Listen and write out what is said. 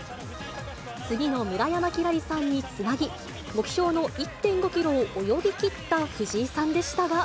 次の村山輝星さんにつなぎ、目標の１．５キロを泳ぎきった藤井さんでしたが。